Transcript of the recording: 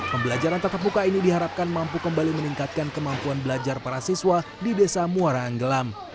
pembelajaran tetap muka ini diharapkan mampu kembali meningkatkan kemampuan belajar para siswa di desa muara anggelam